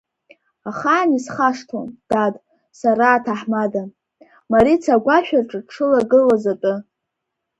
Ахаан исхашҭуам, дад, сара аҭаҳмада, Марица агәашә аҿы дшылагылаз атәы.